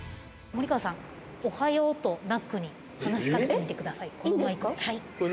森川さん、「おはよう」とナックに話し掛けてみてください。